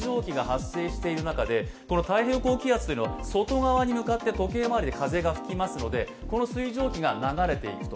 太平洋高気圧というのは外側に向かって時計回りに風が吹きますのでこの水蒸気が流れていくと。